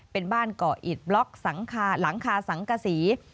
เป็นบ้านเกาะอิดบล็อกหลังคาสังกษี